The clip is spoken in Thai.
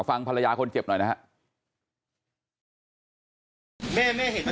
ฟังภรรยาคนเจ็บหน่อยนะครับ